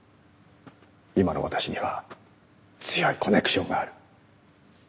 今の私には強いコネクションがある。